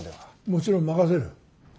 もちろん任せる。